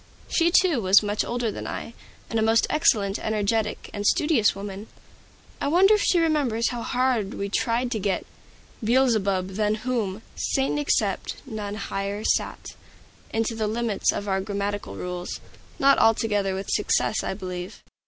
She, too, was much older than I, and a most excellent, energetic, and studious young woman. I wonder if she remembers how hard we tried to get "Beelzebub than whom, Satan except, none higher sat," into the limits of our grammatical rules, not altogether with success, I believe.